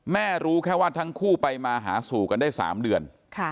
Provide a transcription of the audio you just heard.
รู้แค่ว่าทั้งคู่ไปมาหาสู่กันได้๓เดือน